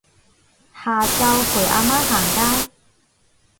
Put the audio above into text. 下晝陪阿媽行街